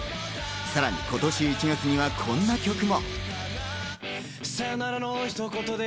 さらに今年１月にはこんな曲も。